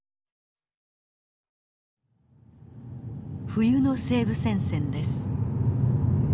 冬の西部戦線です。